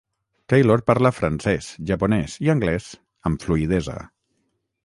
Taylor parla francès, japonès i anglès amb fluïdesa.